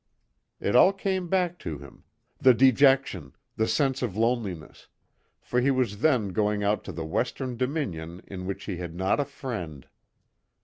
It all came back to him; the dejection, the sense of loneliness; for he was then going out to the Western Dominion in which he had not a friend.